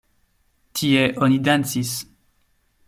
Tie oni dancis.